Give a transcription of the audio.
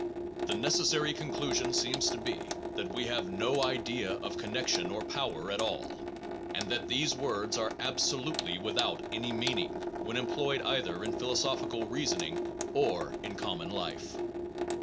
... The necessary conclusion seems to be that we have no idea of connection or power at all, and that these words are absolutely without any mean ing, when employed either in philosophical reasonings or in common life.